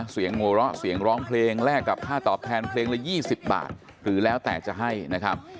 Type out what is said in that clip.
หัวเราะเสียงร้องเพลงแลกกับค่าตอบแทนเพลงละ๒๐บาทหรือแล้วแต่จะให้นะครับ